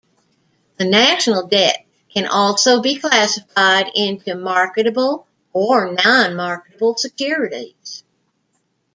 The national debt can also be classified into marketable or non-marketable securities.